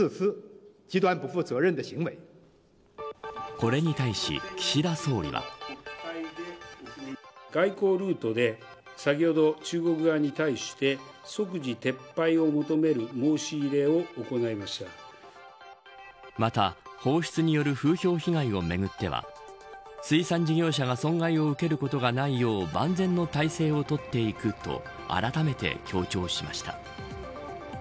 これに対し、岸田総理はまた、放出による風評被害をめぐっては水産事業者が損害を受けることがないよう万全の体制を取っていくとあらためて強調しました。